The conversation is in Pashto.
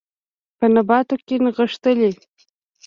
په نباتو کې نغښتلي